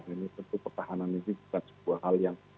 ini tentu pertahanan ini bukan sebuah hal yang